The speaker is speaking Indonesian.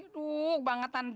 duh bangetan banget sih